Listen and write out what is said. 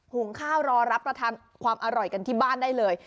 หุงข้าวรอรับประทานความอร่อยกันที่บ้านได้เลย